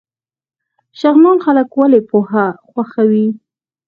شغنان خلک ولې پوهه خوښوي؟